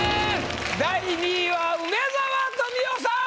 第２位は梅沢富美男さん。